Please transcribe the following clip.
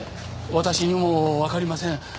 私にも分かりません